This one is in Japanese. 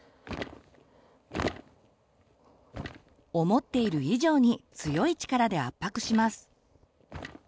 思っている以上に強い力で圧迫します。